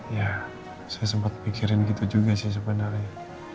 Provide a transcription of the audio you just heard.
ya saya sempat pikirin gitu juga sih sebenarnya